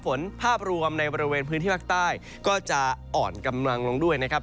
ภาพรวมในบริเวณพื้นที่ภาคใต้ก็จะอ่อนกำลังลงด้วยนะครับ